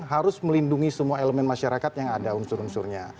harus melindungi semua elemen masyarakat yang ada unsur unsurnya